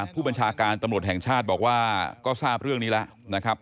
ผู้บัญชาการตำรวจแห่งชาติบอกว่าก็ทราบเรื่องนี้แล้วนะครับ